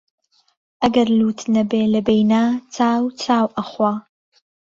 ئەگەر لووت نەبێ لەبەینا، چاو چاو ئەخوا